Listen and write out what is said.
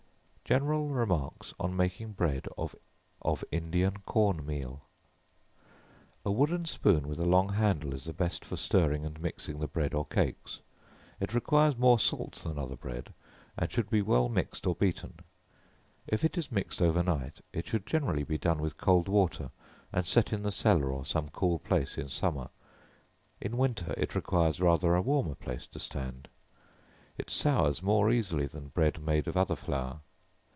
General Remarks on making Bread of Indian Corn Meal. A wooden spoon with a long handle, is the best for stirring and mixing the bread or cakes. It requires more salt than other bread, and should be well mixed or beaten. If it is mixed over night, it should generally be done with cold water, and set in the cellar or some cool place in summer, in winter it requires rather a warmer place to stand. It sours more easily than bread made of other flour.